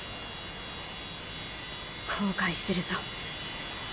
後悔するぞ。